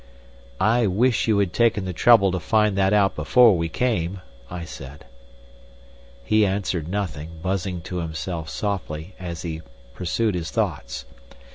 "I wish you had taken the trouble to find that out before we came," I said. He answered nothing, buzzing to himself softly, as he pursued his thoughts.